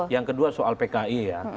yang kedua soal pki ya